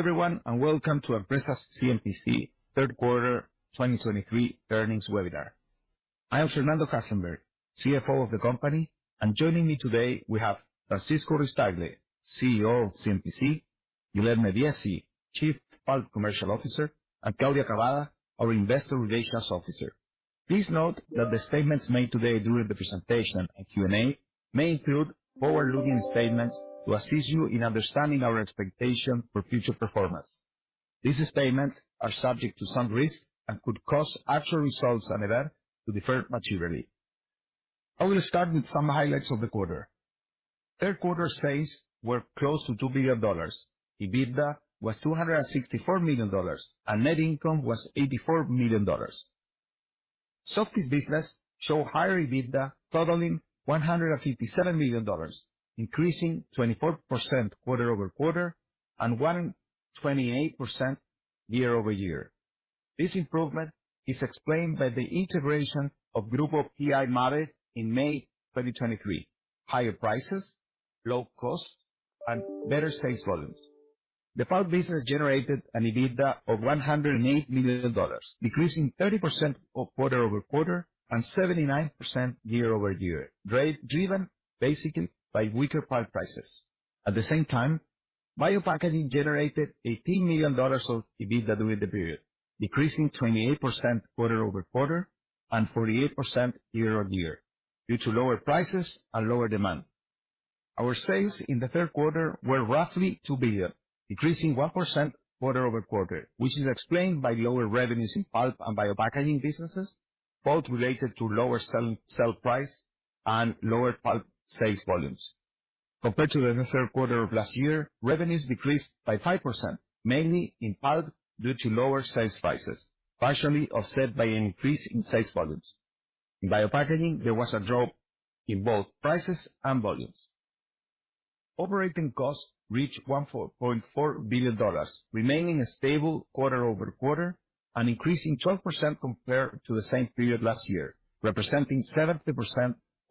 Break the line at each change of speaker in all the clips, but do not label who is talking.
Hello everyone, and welcome to Empresas CMPC Third Quarter 2023 Earnings Webinar. I am Fernando Hasenberg, CFO of the company, and joining me today we have Francisco Ruiz-Tagle, CEO of CMPC, Guilherme Viesi, Chief Pulp Commercial Officer, and Claudia Cavada, our Investor Relations Officer. Please note that the statements made today during the presentation and Q&A may include forward-looking statements to assist you in understanding our expectation for future performance. These statements are subject to some risk and could cause actual results and events to differ materially. I will start with some highlights of the quarter. Third quarter sales were close to $2 billion. EBITDA was $264 million, and net income was $84 million. Softys business showed higher EBITDA, totaling $157 million, increasing 24% quarter-over-quarter, and 128% year-over-year. This improvement is explained by the integration of Grupo P.I. Mabe in May 2023. Higher prices, low costs, and better sales volumes. The pulp business generated an EBITDA of $108 million, decreasing 30% quarter-over-quarter and 79% year-over-year, driven basically by weaker pulp prices. At the same time, biopackaging generated $18 million of EBITDA during the period, decreasing 28% quarter-over-quarter and 48% year-over-year, due to lower prices and lower demand. Our sales in the third quarter were roughly $2 billion, decreasing 1% quarter-over-quarter, which is explained by lower revenues in pulp and biopackaging businesses, both related to lower selling price and lower pulp sales volumes. Compared to the third quarter of last year, revenues decreased by 5%, mainly in part due to lower sales prices, partially offset by an increase in sales volumes. In biopackaging, there was a drop in both prices and volumes. Operating costs reached $1.4 billion, remaining stable quarter-over-quarter and increasing 12% compared to the same period last year, representing 70%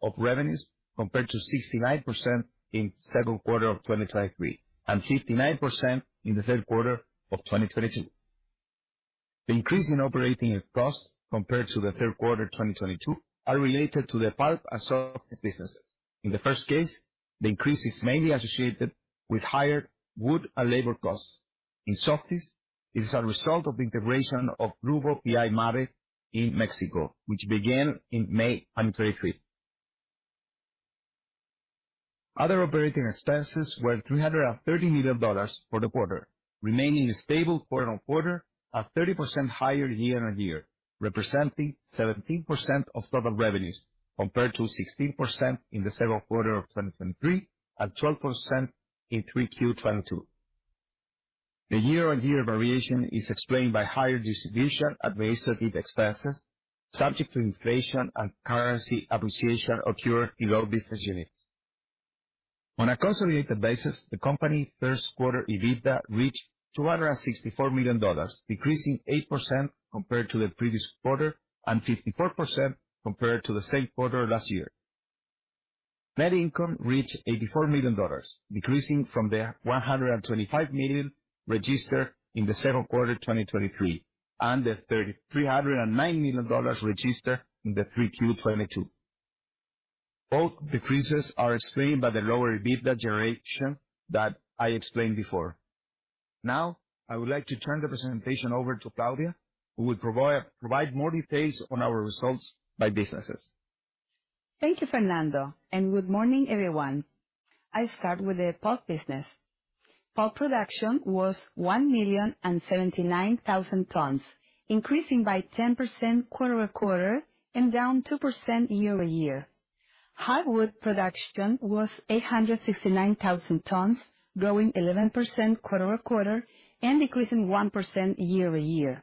of revenues, compared to 69% in second quarter of 2023, and 59% in the third quarter of 2022. The increase in operating costs compared to the third quarter 2022 are related to the pulp and Softys businesses. In the first case, the increase is mainly associated with higher wood and labor costs. In Softys, it is a result of the integration of Grupo P.I. Mabe in Mexico, which began in May 2023. Other operating expenses were $330 million for the quarter, remaining stable quarter-on-quarter, at 30% higher year-on-year, representing 17% of total revenues, compared to 16% in the second quarter of 2023, and 12% in 3Q 2022. The year-on-year variation is explained by higher distribution at the base of expenses, subject to inflation and currency appreciation occurred in our business units. On a consolidated basis, the company first quarter EBITDA reached $264 million, decreasing 8% compared to the previous quarter, and 54% compared to the same quarter last year. Net income reached $84 million, decreasing from the $125 million registered in the second quarter 2023, and the $3,309 million registered in the 3Q 2022. Both decreases are explained by the lower EBITDA generation that I explained before. Now, I would like to turn the presentation over to Claudia, who will provide more details on our results by businesses.
Thank you, Fernando, and good morning, everyone. I start with the pulp business. Pulp production was 1,079,000 tons, increasing by 10% quarter-over-quarter and down 2% year-over-year. Hardwood production was 869,000 tons, growing 11% quarter-over-quarter and decreasing 1% year-over-year.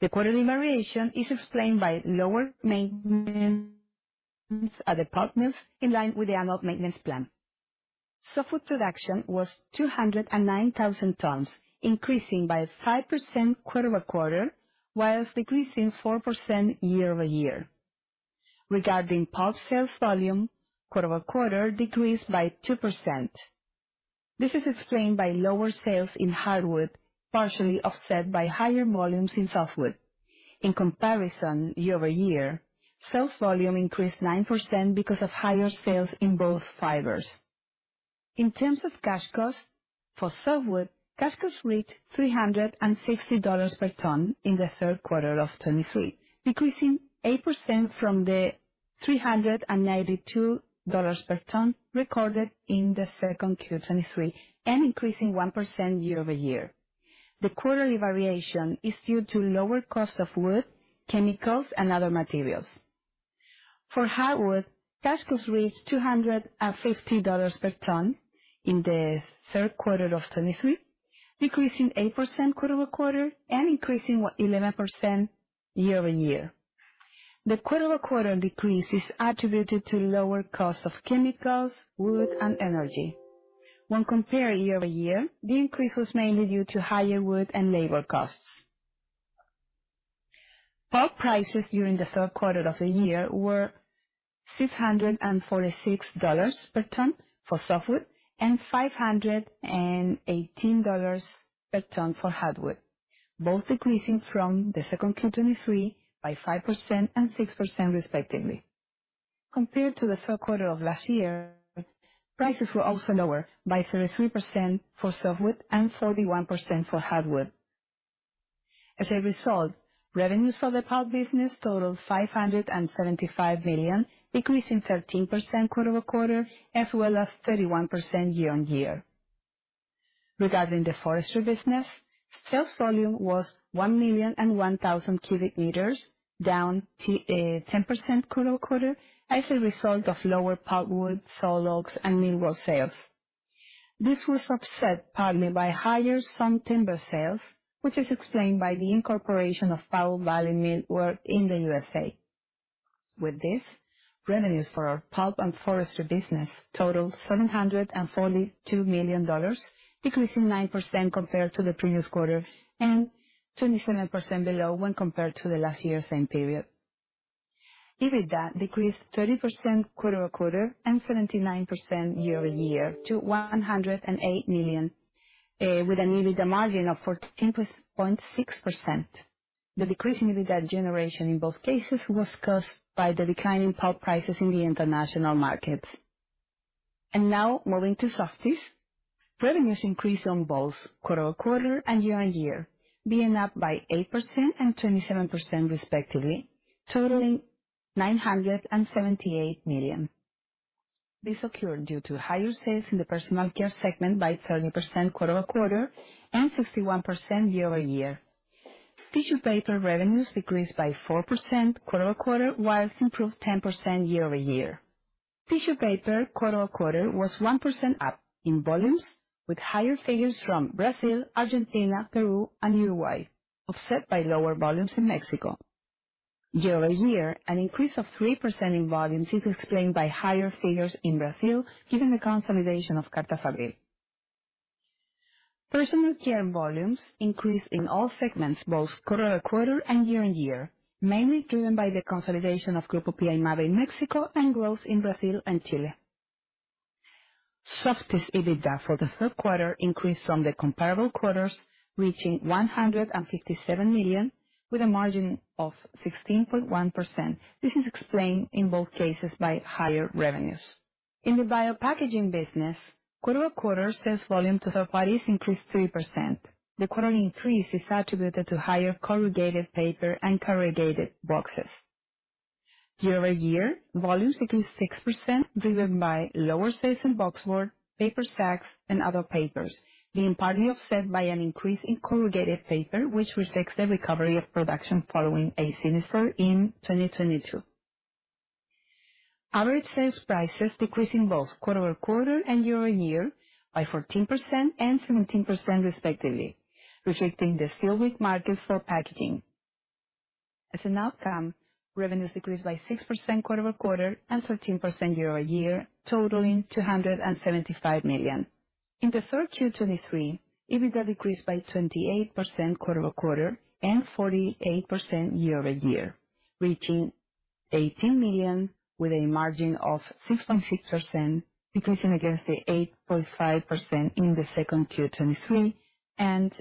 The quarterly variation is explained by lower maintenance at the partners, in line with the annual maintenance plan. Softwood production was 209,000 tons, increasing by 5% quarter-over-quarter, whilst decreasing 4% year-over-year. Regarding pulp sales volume, quarter-over-quarter decreased by 2%. This is explained by lower sales in hardwood, partially offset by higher volumes in softwood. In comparison, year-over-year, sales volume increased 9% because of higher sales in both fibers. In terms of cash costs, for softwood, cash costs reached $360 per ton in the third quarter of 2023, decreasing 8% from the $392 per ton recorded in the second Q 2023, and increasing 1% year-over-year. The quarterly variation is due to lower cost of wood, chemicals, and other materials. For hardwood, cash costs reached $250 per ton in the third quarter of 2023, decreasing 8% quarter-over-quarter and increasing 11% year-over-year. The quarter-over-quarter decrease is attributed to lower costs of chemicals, wood, and energy. When compared year-over-year, the increase was mainly due to higher wood and labor costs. Pulp prices during the third quarter of the year were $646 per ton for softwood, and $518 per ton for hardwood, both decreasing from the second Q 2023 by 5% and 6% respectively. Compared to the third quarter of last year, prices were also lower by 33% for softwood and 31% for hardwood. As a result, revenues for the pulp business totaled $575 million, decreasing 13% quarter-over-quarter, as well as 31% year-on-year. Regarding the forestry business, sales volume was 1,001,000 cubic meters, down 10% quarter-over-quarter, as a result of lower pulpwood, sawlogs and millwork sales. This was offset partly by higher sawtimber sales, which is explained by the incorporation of Powell Valley Millwork in the U.S. With this, revenues for our pulp and forestry business totaled $742 million, decreasing 9% compared to the previous quarter, and 27% below when compared to the last year same period. EBITDA decreased 30% quarter-over-quarter, and 79% year-over-year to $108 million, with an EBITDA margin of 14.6%. The decrease in EBITDA generation in both cases was caused by the declining pulp prices in the international markets. Now moving to Softys. Revenues increased on both quarter-over-quarter and year-on-year, being up by 8% and 27% respectively, totaling $978 million. This occurred due to higher sales in the personal care segment by 30% quarter-over-quarter, and 61% year-over-year. Tissue paper revenues decreased by 4% quarter-over-quarter, while improved 10% year-over-year. Tissue paper quarter-over-quarter was 1% up in volumes, with higher figures from Brazil, Argentina, Peru, and Uruguay, offset by lower volumes in Mexico. Year-over-year, an increase of 3% in volumes is explained by higher figures in Brazil, given the consolidation of Carta Fabril. Personal care volumes increased in all segments, both quarter-over-quarter and year-over-year, mainly driven by the consolidation of Grupo P.I. Mabe in Mexico, and growth in Brazil and Chile. Softys EBITDA for the third quarter increased from the comparable quarters, reaching $157 million, with a margin of 16.1%. This is explained in both cases by higher revenues. In the Biopackaging business, quarter-over-quarter, sales volume to third parties increased 3%. The quarterly increase is attributed to higher corrugated paper and corrugated boxes. Year-over-year, volumes increased 6%, driven by lower sales in boxboard, paper sacks, and other papers, being partly offset by an increase in corrugated paper, which reflects the recovery of production following a sinister in 2022. Average sales prices decreased in both quarter-over-quarter and year-over-year by 14% and 17% respectively, reflecting the still weak market for packaging. As an outcome, revenues decreased by 6% quarter-over-quarter and 13% year-over-year, totaling $275 million. In the third Q 2023, EBITDA decreased by 28% quarter-over-quarter, and 48% year-over-year, reaching $18 million with a margin of 6.6%, decreasing against the 8.5% in the second Q 2023, and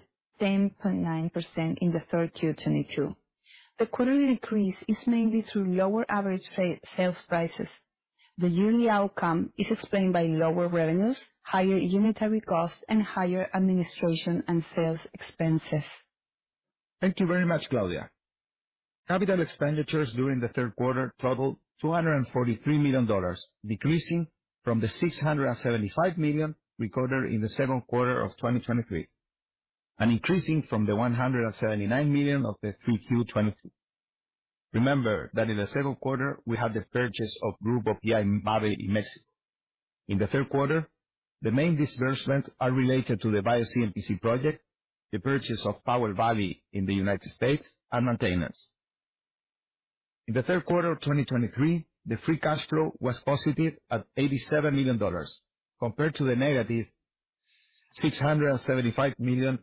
10.9% in the third Q 2022. The quarterly decrease is mainly through lower average sales prices. The yearly outcome is explained by lower revenues, higher unitary costs, and higher administration and sales expenses.
Thank you very much, Claudia. Capital expenditures during the third quarter totaled $243 million, decreasing from the $675 million recorded in the second quarter of 2023, and increasing from the $179 million of 3Q 2022. Remember that in the second quarter, we had the purchase of Grupo P.I. Mabe in Mexico. In the third quarter, the main disbursements are related to the Bio CMPC project, the purchase of Powell Valley in the United States, and maintenance. In the third quarter of 2023, the free cash flow was positive at $87 million, compared to the -$675 million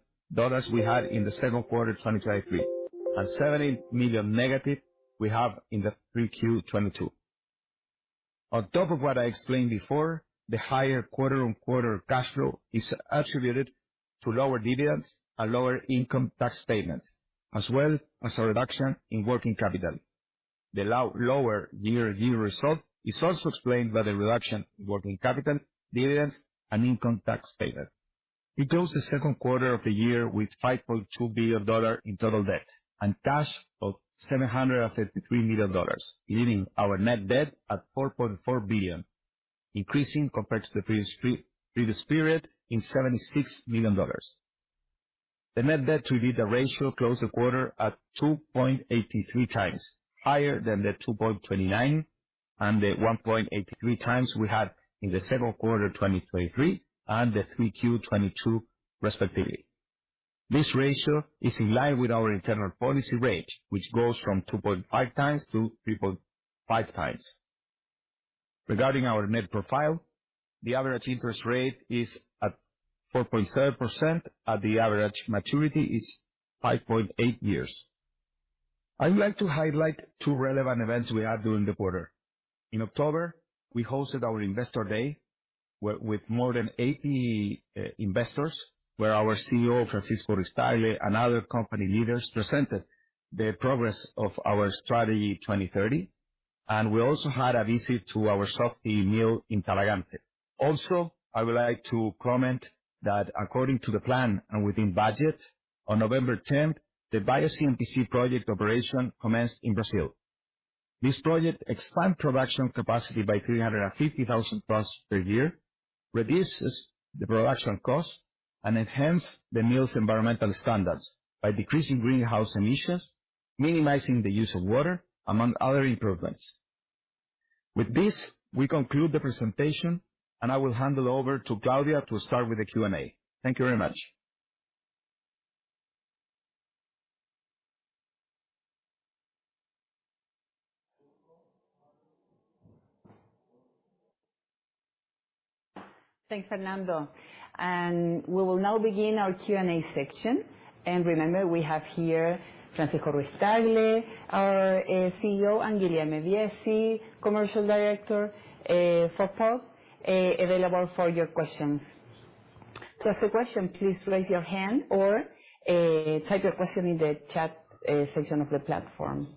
we had in the second quarter 2023, and -$70 million we have in 3Q 2022. On top of what I explained before, the higher quarter-over-quarter cash flow is attributed to lower dividends and lower income tax payments, as well as a reduction in working capital. The lower year-on-year result is also explained by the reduction in working capital, dividends, and income tax payment. We closed the second quarter of the year with $5.2 billion in total debt, and cash of $753 million, leaving our net debt at $4.4 billion, increasing compared to the previous period in $76 million. The net debt to EBITDA ratio closed the quarter at 2.83x, higher than the 2.29, and the 1.83x we had in the second quarter 2023, and the 3Q 2022 respectively. This ratio is in line with our internal policy range, which goes from 2.5x-3.5x. Regarding our net profile, the average interest rate is at 4.7%, and the average maturity is 5.8 years. I would like to highlight two relevant events we had during the quarter. In October, we hosted our Investor Day with more than 80 investors, where our CEO, Francisco Ruiz-Tagle, and other company leaders presented the progress of our strategy 2030. We also had a visit to our Softys mill in Talagante. I would like to comment that according to the plan and within budget, on November tenth, the Bio CMPC project operation commenced in Brazil. This project expands production capacity by 350,000 tons per year, reduces the production cost, and enhances the mill's environmental standards by decreasing greenhouse emissions, minimizing the use of water, among other improvements. With this, we conclude the presentation, and I will hand it over to Claudia to start with the Q&A. Thank you very much.
Thanks, Fernando. We will now begin our Q&A section. Remember, we have here Francisco Ruiz-Tagle, our CEO, and Guilherme Viesi, Commercial Director for pulp, available for your questions. To ask a question, please raise your hand or type your question in the chat section of the platform.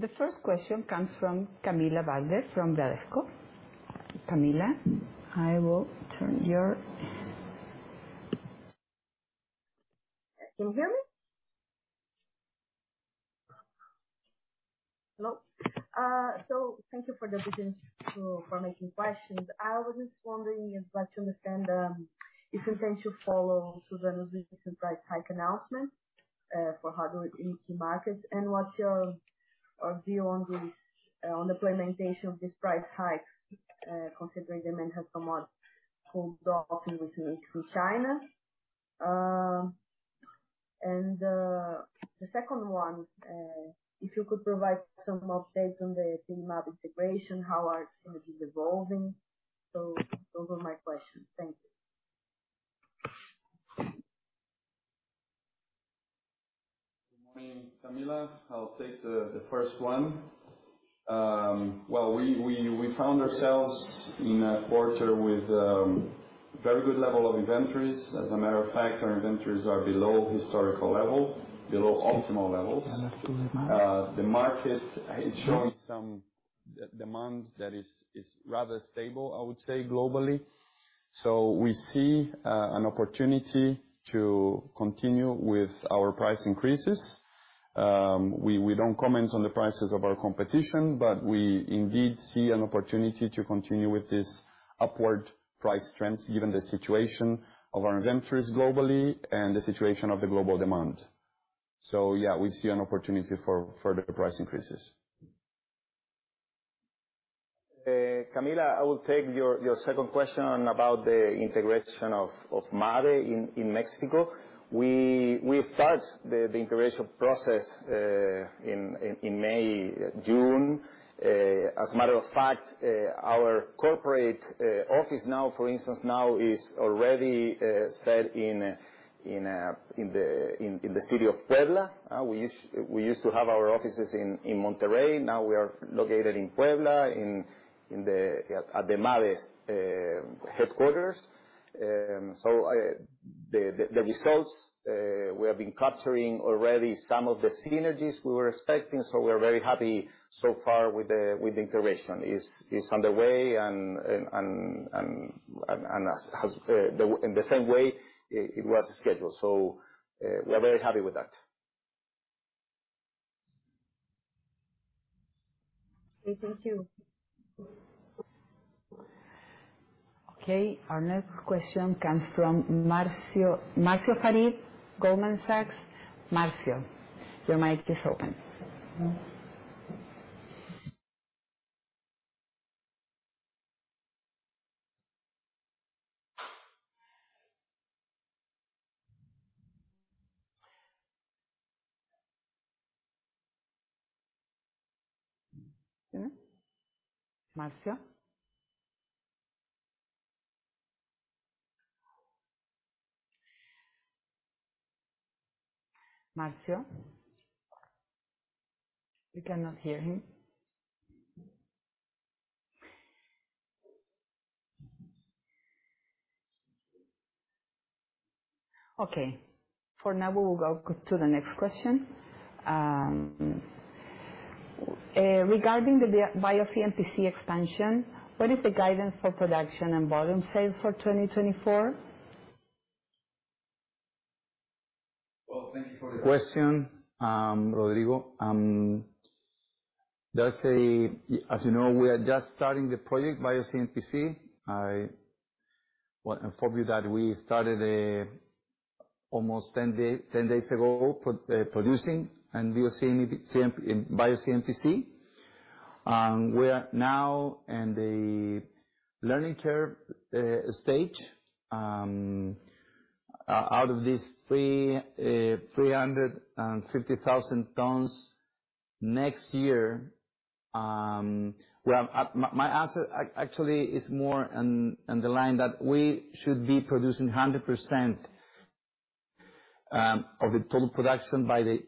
The first question comes from Camila Wagner, from Bradesco. Camila, I will turn your.
Can you hear me? Hello. So thank you for the opportunity to ask questions. I was just wondering, I'd like to understand if you intend to follow Suzano's recent price hike announcement for hardwood in key markets? And what's your view on this, on the implementation of these price hikes considering demand has somewhat cooled off in recent weeks in China. And the second one, if you could provide some updates on the Mabe integration, how are synergies evolving? So those are my questions. Thank you.
Good morning, Camila. I'll take the first one. Well, we found ourselves in a quarter with very good level of inventories. As a matter of fact, our inventories are below historical level, below optimal levels.
The market-
The market is showing some demand that is rather stable, I would say, globally. So we see an opportunity to continue with our price increases. We don't comment on the prices of our competition, but we indeed see an opportunity to continue with this upward price trends, given the situation of our inventories globally and the situation of the global demand. So yeah, we see an opportunity for further price increases.
Camila, I will take your second question on about the integration of Mabe in Mexico. We start the integration process in May, June. As a matter of fact, our corporate office now, for instance, is already set in the city of Puebla. We used to have our offices in Monterrey. Now we are located in Puebla, at the Mabe's headquarters. So, the results we have been capturing already some of the synergies we were expecting, so we are very happy so far with the integration. It is underway and as has the in the same way it was scheduled. We are very happy with that.
Okay, thank you.
Okay, our next question comes from Marcio, Marcio Farid, Goldman Sachs. Marcio, your mic is open. Marcio? Marcio? We cannot hear him. Okay, for now, we will go to the next question. Regarding the Bio CMPC expansion, what is the guidance for production and volume sales for 2024?
Well, thank you for the question, Rodrigo.
Just say, as you know, we are just starting the project BioCMPC. I well inform you that we started almost 10 days ago producing, and we are seeing BioCMPC. We are now in the learning curve stage. Out of these 350,000 tons next year, well, my answer actually is more on the line that we should be producing 100% of the total production by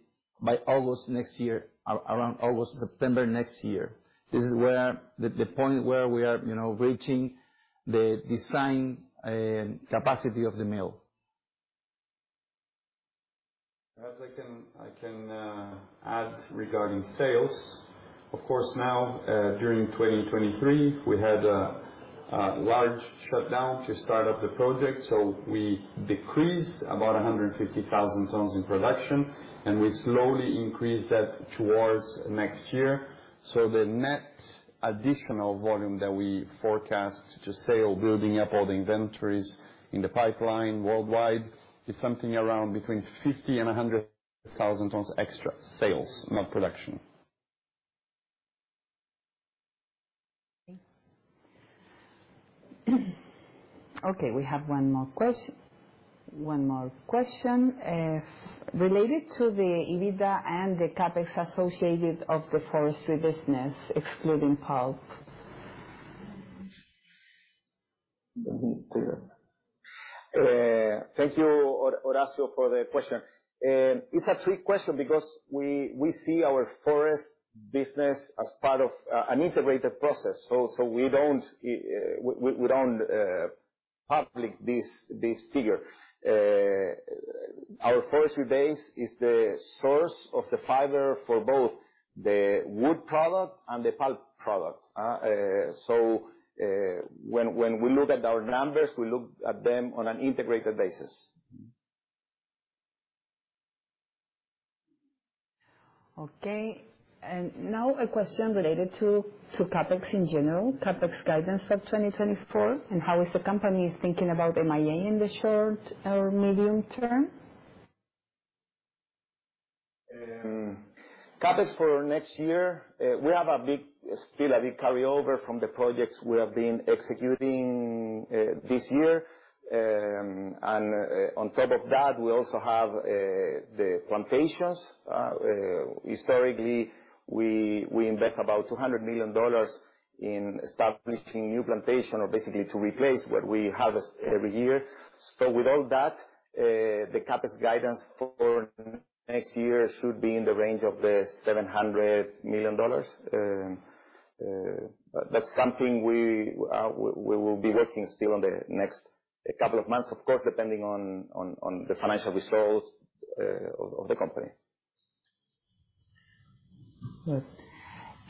August next year, around August, September next year. This is the point where we are, you know, reaching the design capacity of the mill.
Perhaps I can add regarding sales. Of course, now during 2023, we had a large shutdown to start up the project, so we decreased about 150,000 tons in production, and we slowly increased that towards next year. So the net additional volume that we forecast to sell, building up all the inventories in the pipeline worldwide, is something around between 50,000 and 100,000 tons extra sales, not production.
Okay, we have one more question related to the EBITDA and the CapEx associated of the forestry business, excluding pulp?
Thank you, Horacio, for the question. It's a trick question because we see our forest business as part of an integrated process. So we don't publish this figure. Our forestry base is the source of the fiber for both the wood product and the pulp product. When we look at our numbers, we look at them on an integrated basis.
Okay, and now a question related to CapEx in general, CapEx guidance of 2024, and how the company is thinking about M&A in the short or medium term?
CapEx for next year, we have a big, still a big carryover from the projects we have been executing, this year. On top of that, we also have, the plantations. Historically, we invest about $200 million in establishing new plantation or basically to replace what we harvest every year. So with all that, the CapEx guidance for next year should be in the range of $700 million. That's something we will be working still on the next couple of months, of course, depending on the financial results of the company.
Good.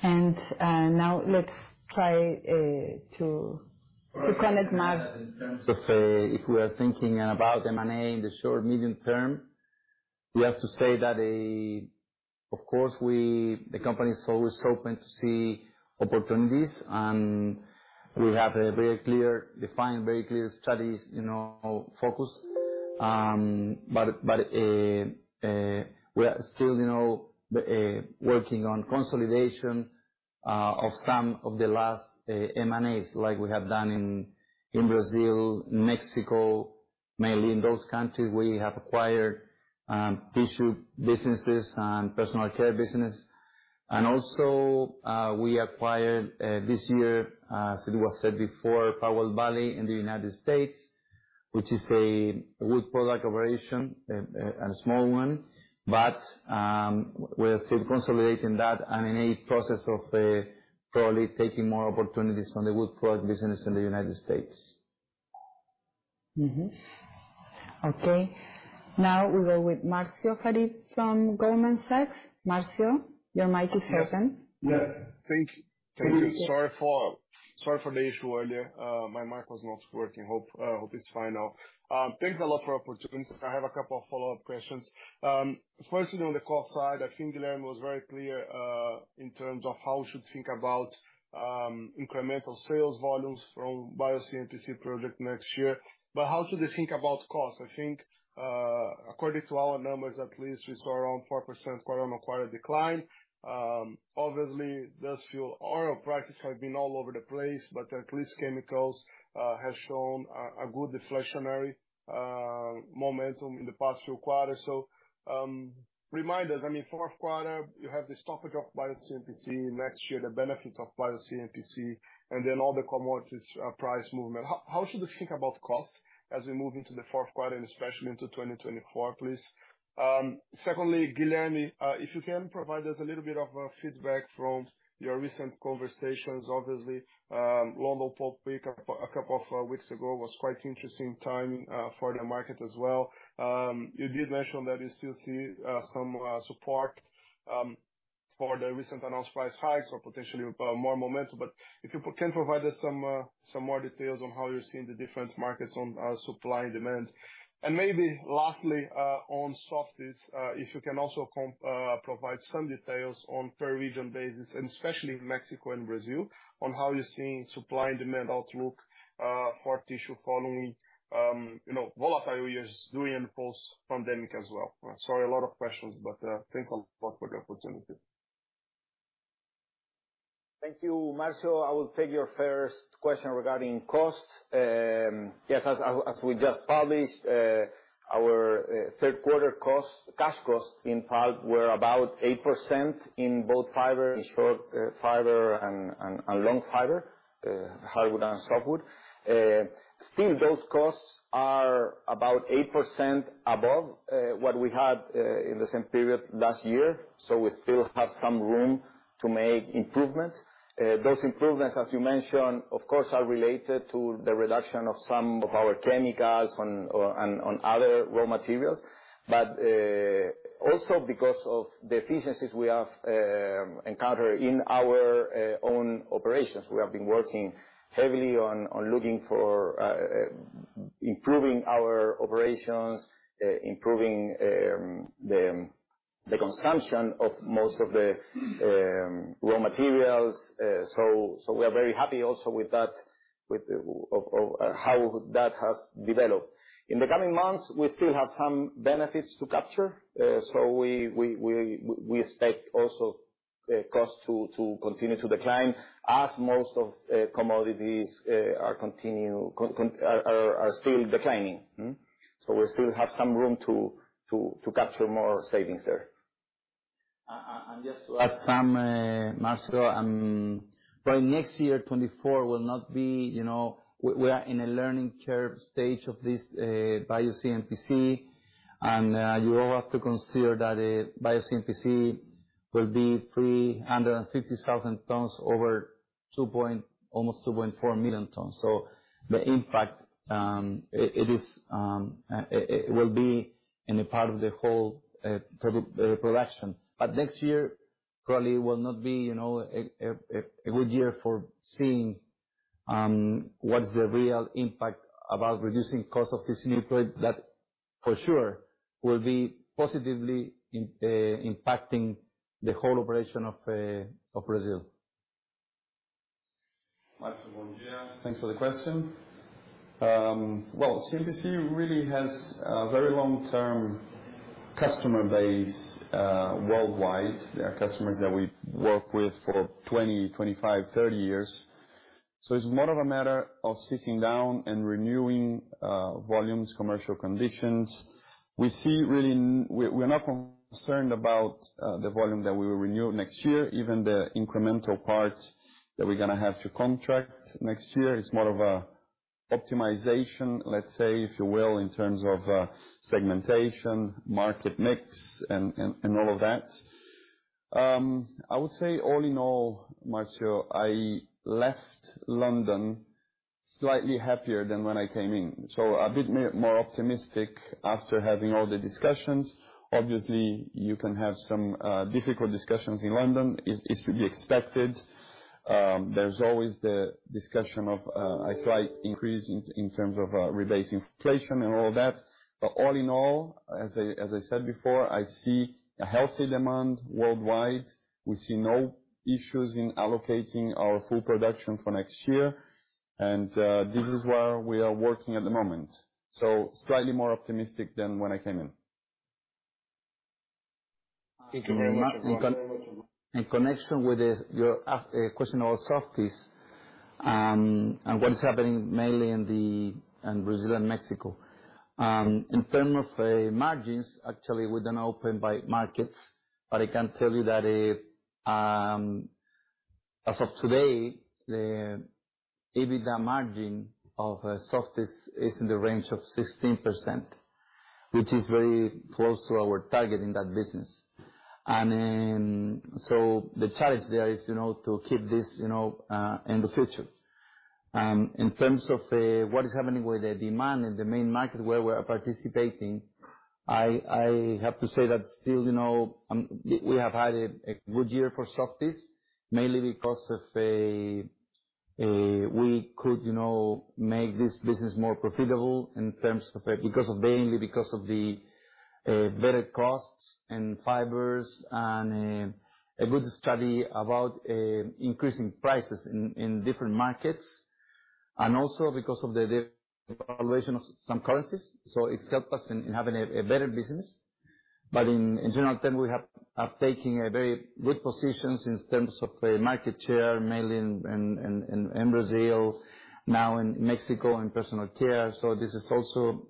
Now let's try to connect ma-
In terms of, if we are thinking about M&A in the short, medium term, we have to say that, of course, the company is always open to see opportunities, and we have a very clear defined, very clear strategies, you know, focus. But, we are still, you know, working on consolidation, of some of the last, M&As, like we have done in Brazil, Mexico. Mainly in those countries, we have acquired, tissue businesses and personal care business. And also, we acquired, this year, as it was said before, Powell Valley in the United States, which is a wood product operation, a small one, but, we are still consolidating that and in a process of, probably taking more opportunities on the wood product business in the United States.
Mm-hmm. Okay. Now we go with Marcio Farid from Goldman Sachs. Marcio, your mic is open.
Yes. Thank you. Thank you.
Mm-hmm.
Sorry for, sorry for the issue earlier. My mic was not working. Hope, hope it's fine now. Thanks a lot for opportunity. I have a couple of follow-up questions. Firstly, on the cost side, I think Guilherme was very clear in terms of how we should think about incremental sales volumes from Bio CMPC project next year. But how should we think about cost? I think, according to our numbers, at least we saw around 4% quarter-on-quarter decline. Obviously, those fuel oil prices have been all over the place, but at least chemicals has shown a good deflationary momentum in the past few quarters. So, remind us, I mean, fourth quarter, you have the stoppage of Bio CMPC, next year, the benefits of Bio CMPC, and then all the commodities price movement. How should we think about cost as we move into the fourth quarter and especially into 2024, please? Secondly, Guilherme, if you can provide us a little bit of feedback from your recent conversations. Obviously, London Pulp Week a couple of weeks ago was quite interesting time for the market as well. You did mention that you still see some support. For the recent announced price hikes or potentially more momentum, but if you can provide us some more details on how you're seeing the different markets on supply and demand. And maybe lastly, on Softys, if you can also provide some details on per region basis, and especially Mexico and Brazil, on how you're seeing supply and demand outlook for tissue following, you know, volatile years during and post-pandemic as well. Sorry, a lot of questions, but thanks a lot for the opportunity.
Thank you, Marcio. I will take your first question regarding costs. Yes, as we just published, our third quarter costs, cash costs, in fact, were about 8% in both fiber, in short fiber, and long fiber, hardwood and softwood. Still, those costs are about 8% above what we had in the same period last year, so we still have some room to make improvements. Those improvements, as you mentioned, of course, are related to the reduction of some of our chemicals on other raw materials. But also because of the efficiencies we have encountered in our own operations. We have been working heavily on looking for improving our operations, improving the consumption of most of the raw materials. So we are very happy also with that, with the of how that has developed. In the coming months, we still have some benefits to capture, so we expect also costs to continue to decline as most of commodities are still declining. So we still have some room to capture more savings there. And just to add some, Marcio, by next year, 2024, will not be, you know, we are in a learning curve stage of this Bio CMPC. And you all have to consider that Bio CMPC will be 350,000 tons over almost 2.4 million tons. So the impact, it will be in a part of the whole production. But next year probably will not be, you know, a good year for seeing what is the real impact about reducing cost of this new product that for sure will be positively impacting the whole operation of Brazil.
Marcio, good. Yeah, thanks for the question. Well, CMPC really has a very long-term customer base worldwide. There are customers that we work with for 20, 25, 30 years. So it's more of a matter of sitting down and renewing volumes, commercial conditions. We see really—we're not concerned about the volume that we will renew next year, even the incremental part that we're gonna have to contract next year. It's more of an optimization, let's say, if you will, in terms of segmentation, market mix, and, and, and all of that. I would say, all in all, Marcio, I left London slightly happier than when I came in, so a bit more optimistic after having all the discussions. Obviously, you can have some difficult discussions in London. It's to be expected. There's always the discussion of a slight increase in terms of replacing inflation and all that. But all in all, as I said before, I see a healthy demand worldwide. We see no issues in allocating our full production for next year, and this is where we are working at the moment. So slightly more optimistic than when I came in.
Thank you very much. In connection with the your question about Softys, and what is happening mainly in Brazil and Mexico. In terms of margins, actually, we're an open by markets, but I can tell you that, as of today, the EBITDA margin of Softys is in the range of 16%, which is very close to our target in that business. And then, so the challenge there is, you know, to keep this, you know, in the future. In terms of what is happening with the demand in the main market where we are participating, I have to say that still, you know, we have had a good year for Softys, mainly because of a We could, you know, make this business more profitable in terms of a, because of mainly because of the, better costs and fibers and, a good study about, increasing prices in, in different markets, and also because of the, the correlation of some currencies, so it's helped us in, in having a, a better business. But in general term, we are taking a very good positions in terms of, market share, mainly in Brazil, now in Mexico, and personal care. So this is also,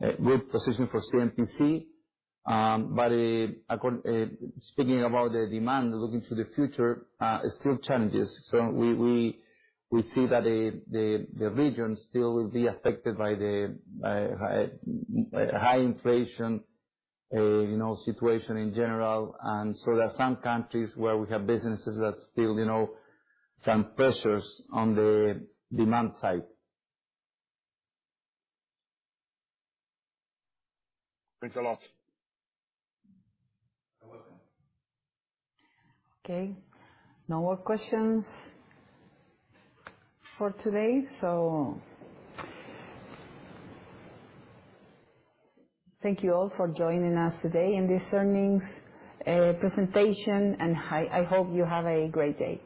a good position for CMPC. But, speaking about the demand, looking to the future, still challenges. So we see that the region still will be affected by the, by high inflation, you know, situation in general. And so there are some countries where we have businesses that still, you know, some pressures on the demand side.
Thanks a lot.
You're welcome.
Okay. No more questions for today, so thank you all for joining us today in this earnings presentation, and I hope you have a great day.